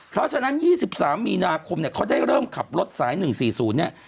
เพราะฉะนั้น๒๓มีนาคมเนี่ยเขาได้เริ่มขับรถสาย๑๔๐เนี่ย